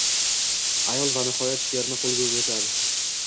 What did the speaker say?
Ayol vanihoyat sherni qoʻlga oʻrgatadi.